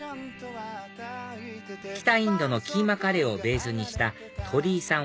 北インドのキーマカレーをベースにした鳥居さん